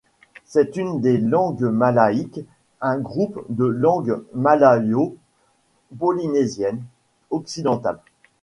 C'est une des langues malaïques, un groupe des langues malayo-polynésiennes occidentales.